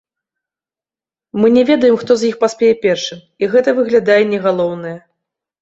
Мы не ведаем, хто з іх паспее першым, і гэта, выглядае, не галоўнае.